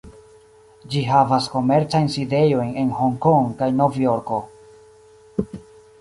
Ĝi havas komercajn sidejojn en Hong-Kong kaj Novjorko.